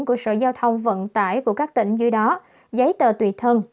của sở giao thông vận tải của các tỉnh dưới đó giấy tờ tùy thân